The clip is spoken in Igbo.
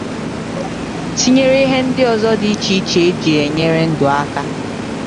tinyere ihe ndị ọzọ dị iche iche e ji enyere ndụ aka